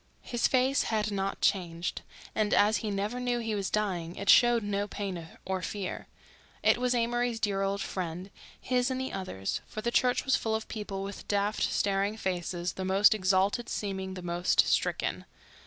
His face had not changed, and, as he never knew he was dying, it showed no pain or fear. It was Amory's dear old friend, his and the others'—for the church was full of people with daft, staring faces, the most exalted seeming the most stricken.